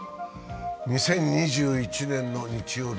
２０２１年の日曜日